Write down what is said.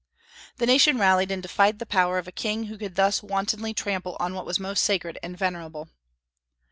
The nation rallied and defied the power of a king who could thus wantonly trample on what was most sacred and venerable.